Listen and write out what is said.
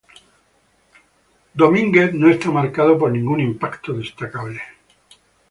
Hume no está marcado por ningún impacto destacable.